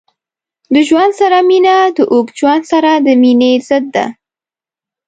د ژوند سره مینه د اوږد ژوند سره د مینې ضد ده.